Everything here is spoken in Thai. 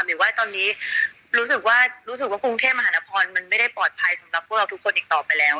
หรือว่าตอนนี้รู้สึกว่ารู้สึกว่ากรุงเทพมหานครมันไม่ได้ปลอดภัยสำหรับพวกเราทุกคนอีกต่อไปแล้ว